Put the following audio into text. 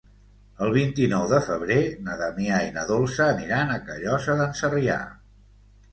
El vint-i-nou de febrer na Damià i na Dolça aniran a Callosa d'en Sarrià.